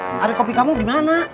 jang ada kopi kamu dimana